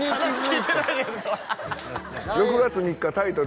６月３日タイトル